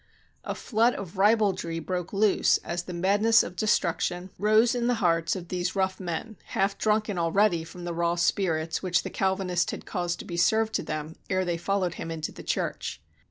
A flood of ribaldry broke loose as the madness of destruc 289 AUSTRIA HUNGARY tion rose in the hearts of these rough men, half drunken already from the raw spirits which the Calvinist had caused to be served to them ere they followed him into the church.